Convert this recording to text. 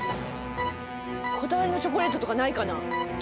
こだわりのチョコレートとかないかな？